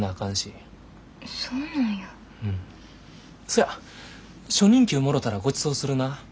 そや初任給もろたらごちそうするな。